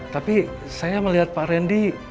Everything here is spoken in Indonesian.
tapi saya melihat pak randy